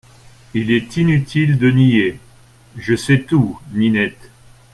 Il est inutile de nier… je sais tout NINETTE.